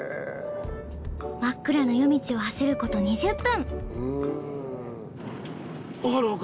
真っ暗な夜道を走ること２０分。